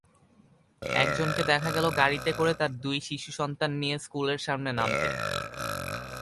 একজনকে দেখা গেল গাড়িতে করে তাঁর দুই শিশুসন্তান নিয়ে স্কুলের সামনে নামতে।